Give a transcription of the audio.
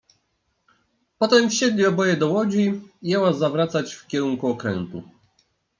"Potem wsiedli oboje do łodzi i jęła zawracać w kierunku okrętu."